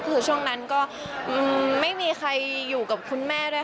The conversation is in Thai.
คือช่วงนั้นก็ไม่มีใครอยู่กับคุณแม่ด้วยค่ะ